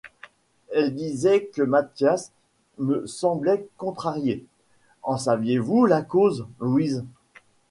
Elle disait que Mathias me semble contrarié, en savez-vous la cause, Louise ?